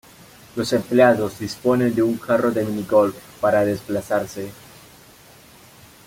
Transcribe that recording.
Los empleados disponen de un carro de mini-golf para desplazarse.